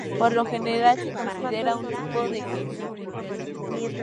Por lo general se considera un tipo de jengibre.